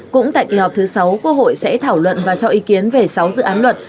cũng tại kỳ họp thứ sáu quốc hội sẽ thảo luận và cho ý kiến về sáu dự án luật